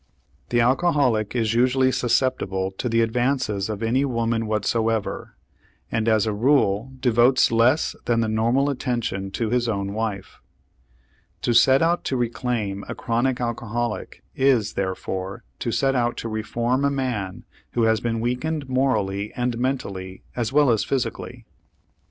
The alcoholic is usually susceptible to the advances of any woman whatsoever, and as a rule devotes less than the normal attention to his own wife. To set out to reclaim a chronic alcoholic is, therefore, to set out to reform a man who has been weakened morally and mentally as well as physically.